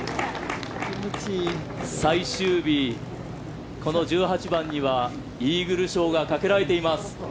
最終日、この１８番にはイーグル賞がかけられています。